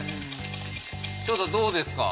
照太どうですか？